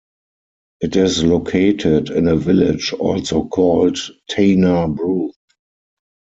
It is located in a village also called "Tana bru".